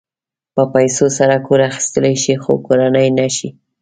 په پیسو سره کور اخيستلی شې خو کورنۍ نه شې.